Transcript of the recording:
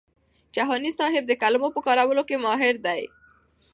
جهاني صاحب د کلمو په کارولو کي ماهر دی.